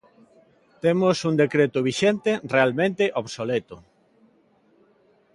Temos un decreto vixente realmente obsoleto.